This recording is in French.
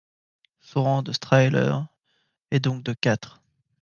Son rang de Strahler est donc de quatre.